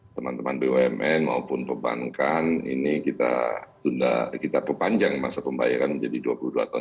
teman teman bumn maupun perbankan ini kita tunda kita perpanjang masa pembayaran menjadi dua puluh dua tahun